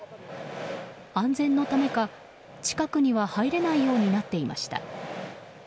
安全のためか近くには入れないようになっていました。